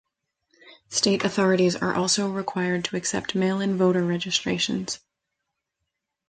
State authorities are also required to accept mail-in voter registrations.